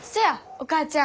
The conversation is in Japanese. お母ちゃん。